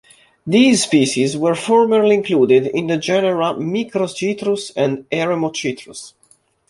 These species were formerly included in the genera "Microcitrus" and "Eremocitrus".